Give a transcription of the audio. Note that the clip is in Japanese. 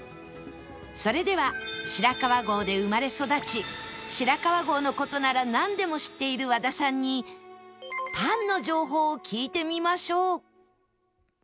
それでは白川郷で生まれ育ち白川郷の事ならなんでも知っている和田さんにパンの情報を聞いてみましょう